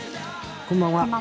こんばんは。